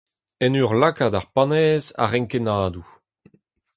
En ur lakaat ar panez a-renkennadoù.